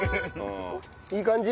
いい感じ？